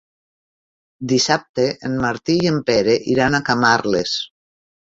Dissabte en Martí i en Pere iran a Camarles.